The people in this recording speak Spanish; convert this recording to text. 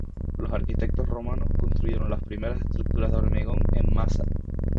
Los arquitectos romanos construyeron las primeras estructuras de hormigón en masa.